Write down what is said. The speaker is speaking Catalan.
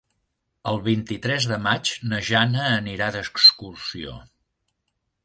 El vint-i-tres de maig na Jana anirà d'excursió.